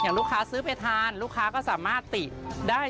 ลูกค้าซื้อไปทานลูกค้าก็สามารถติได้